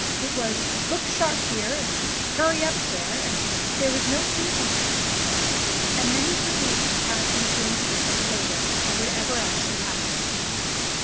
It was "Look sharp here" and "Hurry up there," and there was no pleasing her. And many's the beating he had from the broomstick or the ladle, or whatever else she had in her hand.